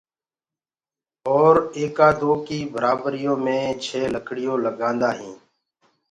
اور ايڪآ دو ڪي برآبر مآپي مي ڇي لڪڙيو لگآندآ هينٚ